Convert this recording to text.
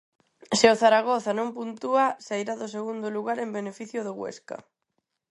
Se o Zaragoza non puntúa, sairá do segundo lugar en beneficio do Huesca.